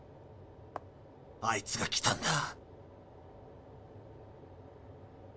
あいつが来たんだ。